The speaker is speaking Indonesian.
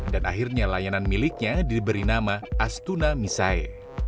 dan akhirnya layanan miliknya diberi nama astuna mi sae